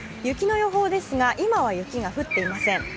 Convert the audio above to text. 雪の予報ですが、今は雪が降っていません。